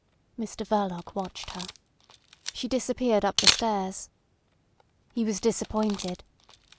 Mr Verloc watched her. She disappeared up the stairs. He was disappointed.